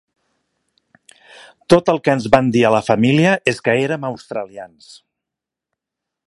Tot els que ens van dir a la família és que érem australians.